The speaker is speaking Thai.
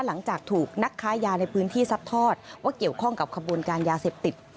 หลังจากถูกนักค้ายาในพื้นที่ซัดทอดว่าเกี่ยวข้องกับขบวนการยาเสพติด